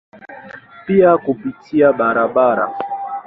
Pia kupitia barabara.